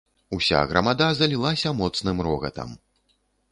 Уся грамада залілася моцным рогатам.